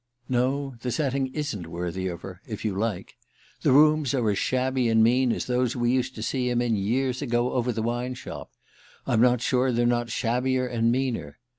No, the setting isn't worthy of her, if you like. The rooms are as shabby and mean as those we used to see him in years ago over the wine shop. I'm not sure they're not shabbier and meaner.